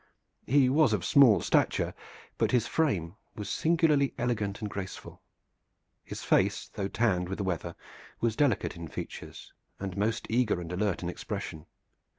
He was of small stature, but his frame was singularly elegant and graceful. His face, though tanned with the weather, was delicate in features and most eager and alert in expression.